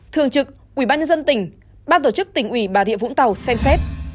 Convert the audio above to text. thường trực ubnd tỉnh ban tổ chức tỉnh huy bà rịa vũng tàu xem xét